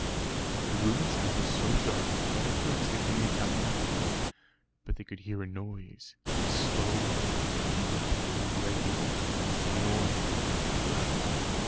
The room inside was so dark, that at first they could make out nothing; but they could hear a noise a slow deep regular snoring grunt.